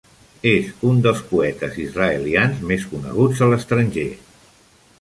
És un dels poetes israelians més coneguts a l'estranger.